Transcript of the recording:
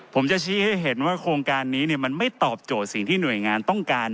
ผมจะชี้ให้เห็นว่าโครงการนี้มันไม่ตอบโจทย์สิ่งที่หน่วยงานต้องการ